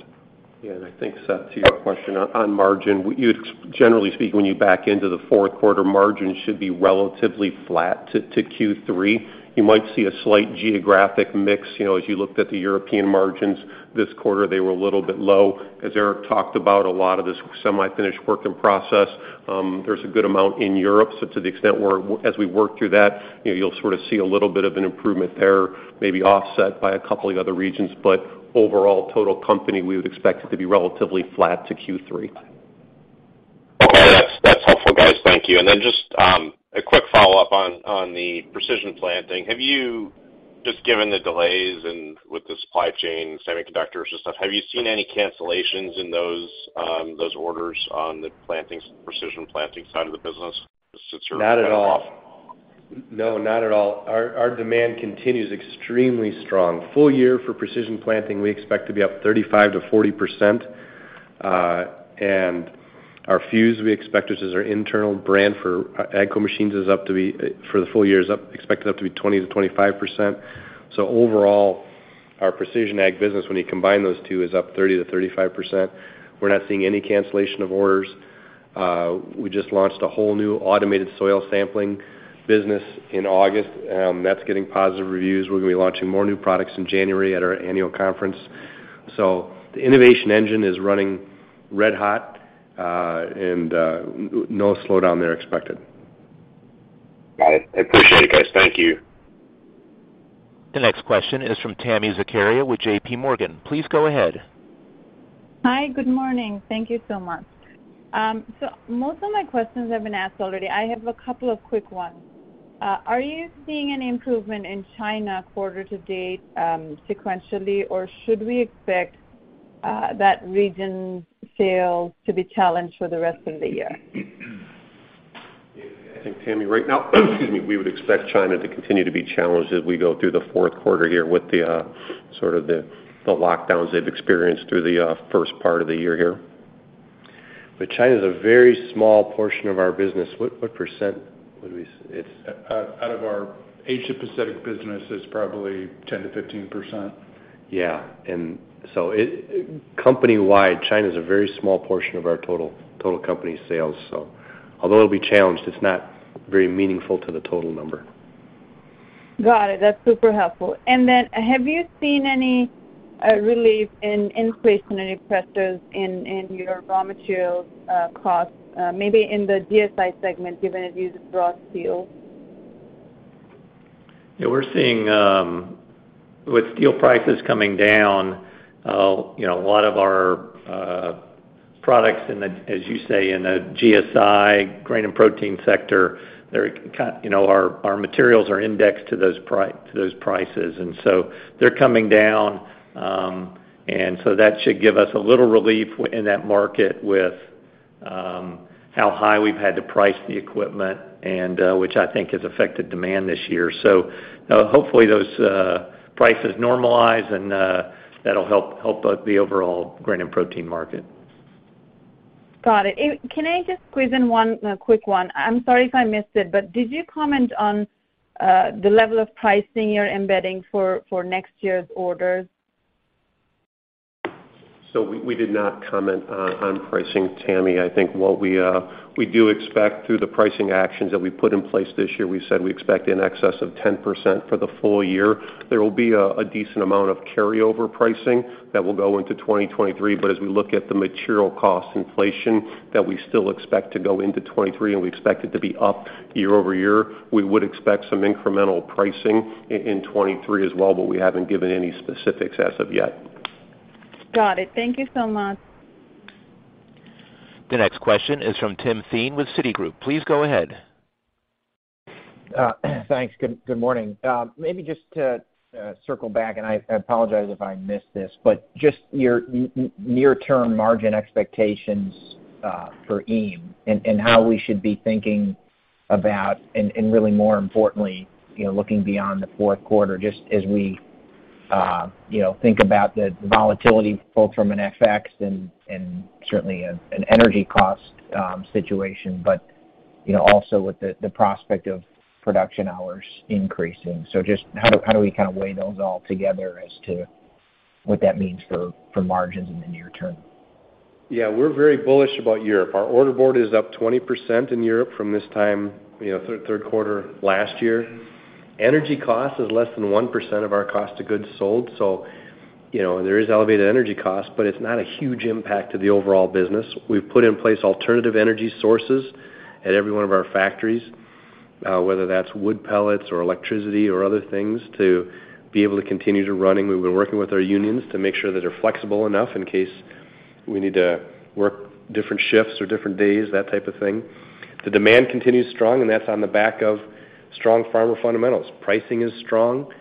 Yeah. I think, Seth, to your question on margin, you'd generally speaking, when you back into the fourth quarter, margin should be relatively flat to Q3. You might see a slight geographic mix. You know, as you looked at the European margins this quarter, they were a little bit low. As Eric talked about a lot of this semi-finished work in process, there's a good amount in Europe. To the extent where as we work through that, you know, you'll sort of see a little bit of an improvement there, maybe offset by a couple of other regions. Overall, total company, we would expect it to be relatively flat to Q3. Okay. That's helpful, guys. Thank you. Just a quick follow-up on the Precision Planting. Have you, given the delays and with the supply chain semiconductors and stuff, seen any cancellations in those orders on the Precision Planting side of the business since you're- Not at all. No, not at all. Our demand continues extremely strong. Full-year for Precision Planting, we expect to be up 35%-40%. And our Fuse, we expect, which is our internal brand for AGCO machines, is expected to be up 20%-25% for the full year. Overall, our precision ag business, when you combine those two, is up 30%-35%. We're not seeing any cancellation of orders. We just launched a whole new automated soil sampling business in August. That's getting positive reviews. We're gonna be launching more new products in January at our annual conference. The innovation engine is running red-hot, no slowdown there expected. Got it. I appreciate it, guys. Thank you. The next question is from Tami Zakaria with JPMorgan. Please go ahead. Hi. Good morning. Thank you so much. Most of my questions have been asked already. I have a couple of quick ones. Are you seeing any improvement in China quarter to date, sequentially, or should we expect that region's sales to be challenged for the rest of the year? I think, Tami, right now, excuse me, we would expect China to continue to be challenged as we go through the fourth quarter here with the sort of lockdowns they've experienced through the first part of the year here. China is a very small portion of our business. What percent would we say it's? Out of our Asia Pacific business is probably 10%-15%. Yeah. Company-wide, China is a very small portion of our total company sales. Although it'll be challenged, it's not very meaningful to the total number. Got it. That's super helpful. Have you seen any relief in inflationary pressures in your raw materials costs, maybe in the GSI segment, given that it uses raw steel? Yeah, we're seeing with steel prices coming down, you know, a lot of our products in the, as you say, in the GSI grain and protein sector, they're kind, you know, our materials are indexed to those prices, and so they're coming down. That should give us a little relief in that market with how high we've had to price the equipment, and which I think has affected demand this year. Hopefully, those prices normalize, and that'll help the overall grain and protein market. Got it. Can I just squeeze in one, a quick one? I'm sorry if I missed it, but did you comment on the level of pricing you're embedding for next year's orders? We did not comment on pricing, Tami. I think what we expect through the pricing actions that we put in place this year, we said we expect in excess of 10% for the full year. There will be a decent amount of carryover pricing that will go into 2023. As we look at the material cost inflation that we still expect to go into 2023, and we expect it to be up year-over-year, we would expect some incremental pricing in 2023 as well, but we haven't given any specifics as of yet. Got it. Thank you so much. The next question is from Tim Thein with Citigroup. Please go ahead. Thanks. Good morning. Maybe just to circle back, and I apologize if I missed this. Just your near term margin expectations for EME and how we should be thinking about, and really more importantly, you know, looking beyond the fourth quarter, just as we, you know, think about the volatility both from an FX and certainly an energy cost situation, but you know also with the prospect of production hours increasing. Just how do we kind of weigh those all together as to what that means for margins in the near term? Yeah, we're very bullish about Europe. Our order board is up 20% in Europe from this time, you know, the third quarter last year. Energy cost is less than 1% of our cost of goods sold. You know, there is an elevated energy cost, but it's not a huge impact on the overall business. We've put in place alternative energy sources at every one of our factories, whether that's wood pellets or electricity or other things to be able to continue to running. We've been working with our unions to make sure that they're flexible enough in case we need to work different shifts or different days, that type of thing. The demand continues strong, and that's on the back of strong farmer fundamentals. Pricing is strong,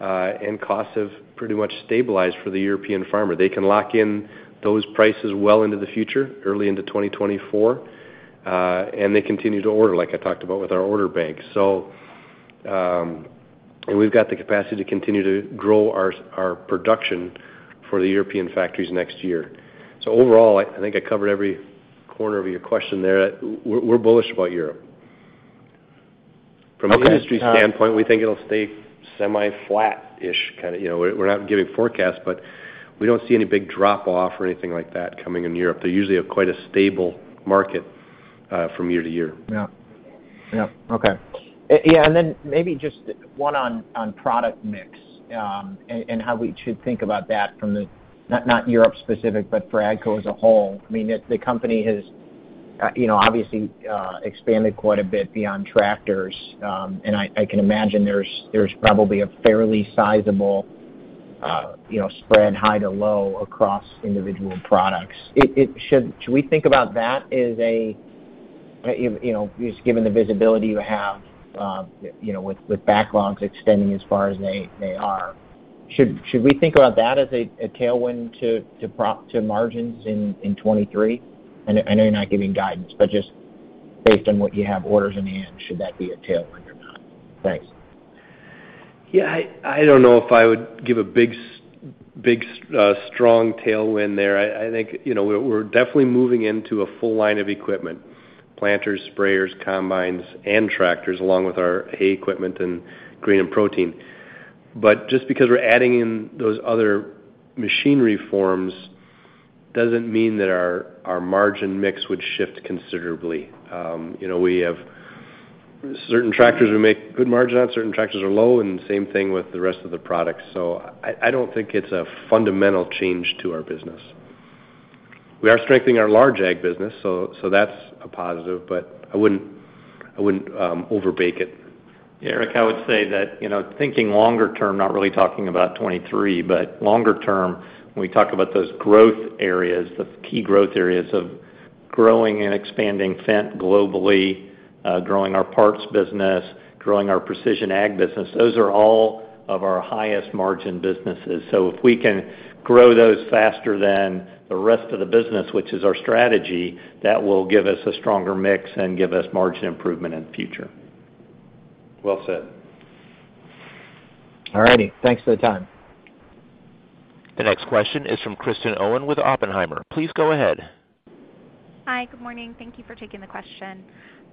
and costs have pretty much stabilized for the European farmer. They can lock in those prices well into the future, early into 2024, and they continue to order, like I talked about with our order bank. We've got the capacity to continue to grow our production for the European factories next year. Overall, I think I covered every corner of your question there. We're bullish about Europe. Okay. From an industry standpoint, we think it'll stay semi flat-ish kinda. You know, we're not giving forecasts, but we don't see any big drop off or anything like that coming in Europe. They usually have quite a stable market from year to year. Yeah. Okay, yeah, then maybe just one on product mix and how we should think about that, not Europe specific, but for AGCO as a whole. I mean, the company has, you know, obviously expanded quite a bit beyond tractors. And I can imagine there's probably a fairly sizable, you know, spread high to low across individual products. Should we think about that as a. If you know, just given the visibility you have, you know, with backlogs extending as far as they are, should we think about that as a tailwind to margins in 2023? I know you're not giving guidance, but just based on what you have orders in hand, should that be a tailwind or not? Thanks. Yeah, I don't know if I would give a strong tailwind there. I think, you know, we're definitely moving into a full line of equipment. Planters, sprayers, combines, and tractors, along with our hay equipment and grain and protein. Just because we're adding in those other machinery forms doesn't mean that our margin mix would shift considerably. You know, we have certain tractors we make a good margin on, certain tractors are low, and the same thing with the rest of the products. I don't think it's a fundamental change to our business. We are strengthening our large ag business, so that's a positive. I wouldn't overbake it. Eric, I would say that, you know, thinking longer term, not really talking about 2023, but longer term, when we talk about those growth areas, the key growth areas of growing and expanding Fendt globally, growing our parts business, growing our precision ag business, those are all of our highest margin businesses. So if we can grow those faster than the rest of the business, which is our strategy, that will give us a stronger mix and give us margin improvement in the future. Well said. All righty. Thanks for the time. The next question is from Kristen Owen with Oppenheimer. Please go ahead. Hi. Good morning. Thank you for taking the question.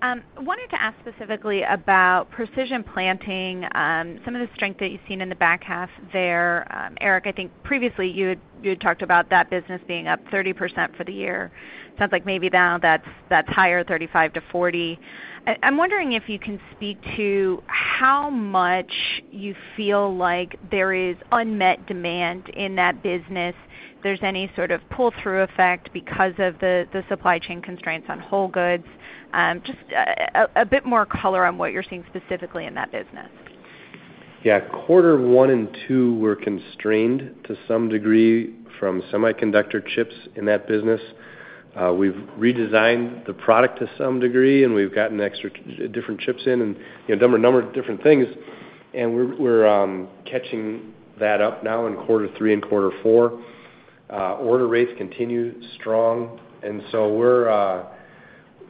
I wanted to ask specifically about Precision Planting, some of the strength that you've seen in the back half there. Eric, I think previously you had talked about that business being up 30% for the year. Sounds like maybe now that's higher, 35%-40%. I'm wondering if you can speak to how much you feel like there is unmet demand in that business. If there's any sort of pull-through effect because of the supply chain constraints on whole goods. Just a bit more color on what you're seeing specifically in that business. Yeah. Quarters one and two were constrained to some degree from semiconductor chips in that business. We've redesigned the product to some degree, and we've gotten extra different chips in and, you know, done a number of different things. We're catching that up now in quarter three and quarter four. Order rates continue strong, and so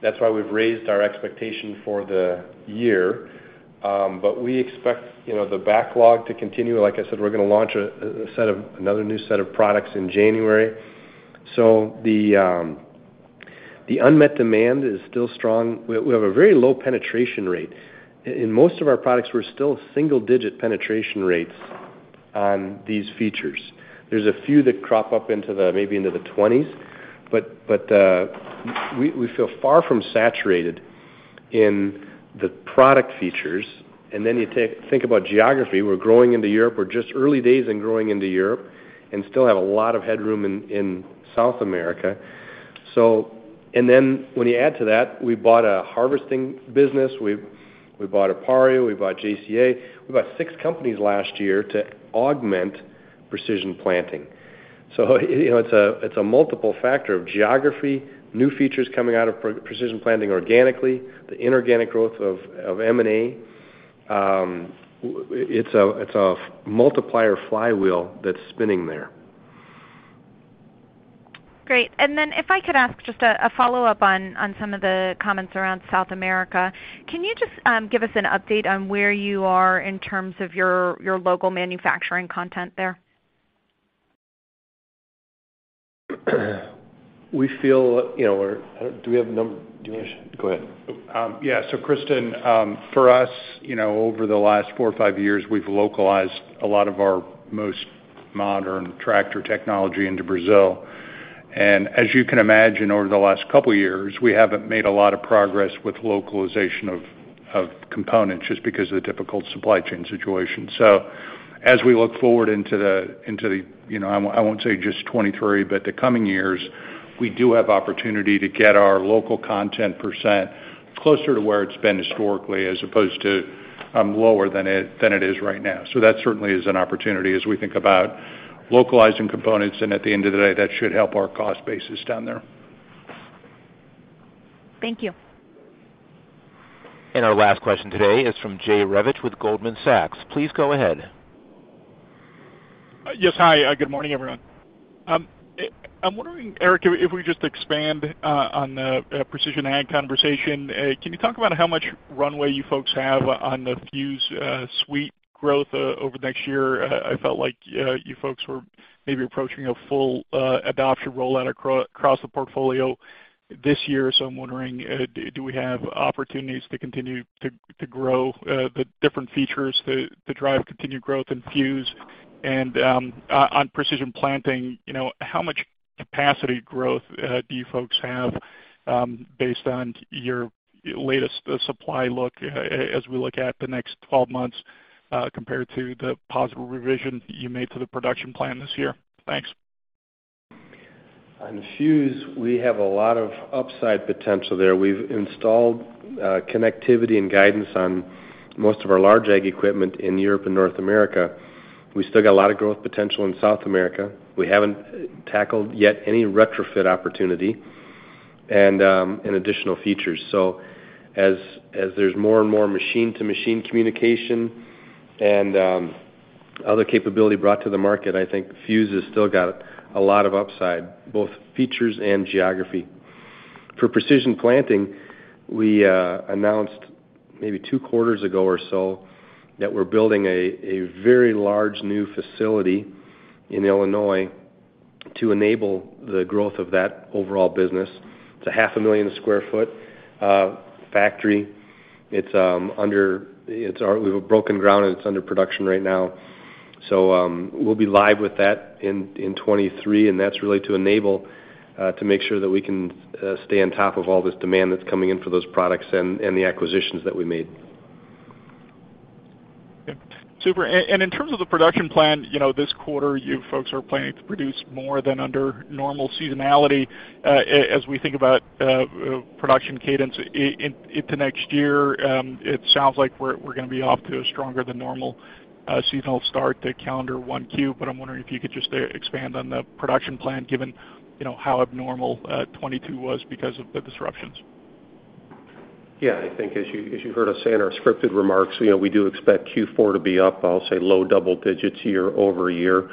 that's why we've raised our expectation for the year. We expect, you know, the backlog to continue. Like I said, we're gonna launch another new set of products in January. The unmet demand is still strong. We have a very low penetration rate. In most of our products, we're still single-digit penetration rates on these features. There's a few that crop up into the, maybe into the twenties, but we feel far from saturated in the product features. Then you think about geography. We're growing into Europe. We're just in early days in growing into Europe and still have a lot of headroom in South America. Then when you add to that, we bought a harvesting business. We bought Appareo, we bought JCA. We bought six companies last year to augment Precision Planting. It's a multiple factor of geography, new features coming out of Precision Planting organically, the inorganic growth of M&A. It's a multiplier flywheel that's spinning there. Great. If I could ask just a follow-up on some of the comments around South America. Can you just give us an update on where you are in terms of your local manufacturing content there? Do you want to go ahead? Yeah. Kristen, for us, you know, over the last four or five years, we've localized a lot of our most modern tractor technology in Brazil. As you can imagine, over the last couple of years, we haven't made a lot of progress with localization of components just because of the difficult supply chain situation. As we look forward into the you know, I won't say just 2023, but the coming years, we do have an opportunity to get our local content % closer to where it's been historically, as opposed to lower than it is right now. That certainly is an opportunity as we think about localizing components, and at the end of the day, that should help our cost basis down there. Thank you. Our last question today is from Jerry Revich with Goldman Sachs. Please go ahead. Yes. Hi. Good morning, everyone. I'm wondering, Eric, if we just expand on the precision ag conversation, can you talk about how much runway you folks have on the Fuse suite growth over the next year? I felt like you folks were maybe approaching a full adoption rollout across the portfolio this year. I'm wondering, do we have opportunities to continue to grow the different features to drive continued growth in Fuse? On Precision Planting, you know, how much capacity growth do you folks have based on your latest supply outlook as we look at the next 12 months, compared to the positive revision you made to the production plan this year? Thanks. On Fuse, we have a lot of upside potential there. We've installed connectivity and guidance on most of our large ag equipment in Europe and North America. We still got a lot of growth potential in South America. We haven't tackled yet any retrofit opportunity and additional features. As there's more and more machine-to-machine communication and other capabilities brought to the market, I think Fuse has still got a lot of upside, both features and geography. For Precision Planting, we announced maybe two quarters ago or so that we're building a very large new facility in Illinois to enable the growth of that overall business. It's a 500,000 sq ft factory. We've broken ground, and it's under production right now. We'll be live with that in 2023, and that's really to enable to make sure that we can stay on top of all this demand that's coming in for those products and the acquisitions that we made. Okay. Super. In terms of the production plan, you know, this quarter, you folks are planning to produce more than under normal seasonality. As we think about production cadence in into next year, it sounds like we're gonna be off to a stronger than normal seasonal start to calendar 1Q. I'm wondering if you could just expand on the production plan given, you know, how abnormal 2022 was because of the disruptions. Yeah. I think as you heard us say in our scripted remarks, you know, we do expect Q4 to be up, I'll say low double digits year-over-year.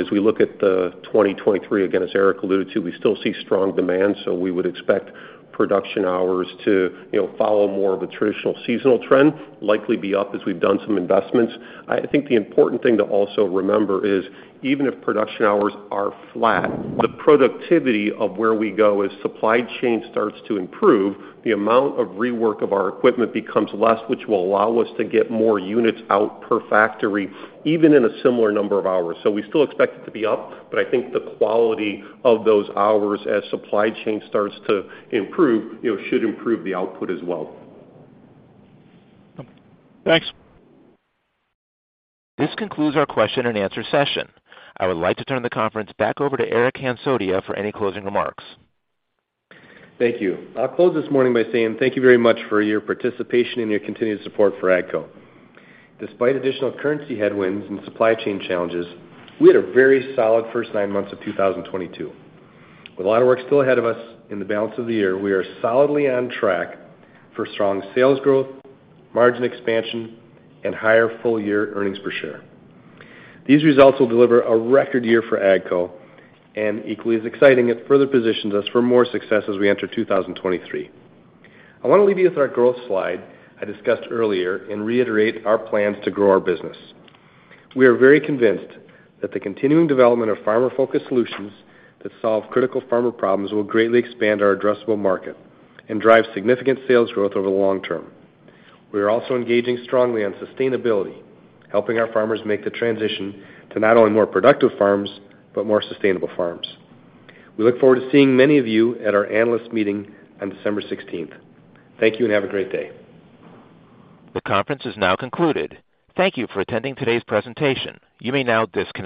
As we look at the 2023, again, as Eric alluded to, we still see strong demand, so we would expect production hours to, you know, follow more of a traditional seasonal trend, likely be up as we've done some investments. I think the important thing to also remember is even if production hours are flat, the productivity as we go as supply chain starts to improve, the amount of rework of our equipment becomes less, which will allow us to get more units out per factory, even in a similar number of hours. We still expect it to be up, but I think the quality of those hours as supply chain starts to improve, you know, should improve the output as well. Thanks. This concludes our question and answer session. I would like to turn the conference back over to Eric Hansotia for any closing remarks. Thank you. I'll close this morning by saying thank you very much for your participation and your continued support for AGCO. Despite additional currency headwinds and supply chain challenges, we had a very solid first nine months of 2022. With a lot of work still ahead of us in the balance of the year, we are solidly on track for strong sales growth, margin expansion, and higher full year earnings per share. These results will deliver a record year for AGCO, and equally as exciting, it further positions us for more success as we enter 2023. I want to leave you with our growth slide I discussed earlier and reiterate our plans to grow our business. We are very convinced that the continuing development of farmer-focused solutions that solve critical farmer problems will greatly expand our addressable market and drive significant sales growth over the long term. We are also engaging strongly on sustainability, helping our farmers make the transition to not only more productive farms, but more sustainable farms. We look forward to seeing many of you at our analyst meeting on December sixteenth. Thank you, and have a great day. The conference is now concluded. Thank you for attending today's presentation. You may now disconnect.